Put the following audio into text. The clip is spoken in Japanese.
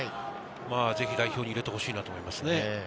ぜひ代表に入れてほしいなと思います。